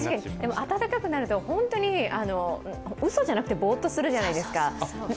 暖かくなると本当にうそじゃなくてぼーっとするじゃないですか。